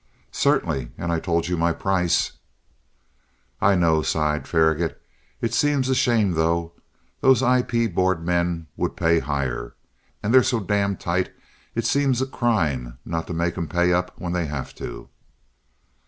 "Certainly. And I told you my price." "I know," sighed Faragaut. "It seems a shame though. Those IP board men would pay higher. And they're so damn tight it seems a crime not to make 'em pay up when they have to."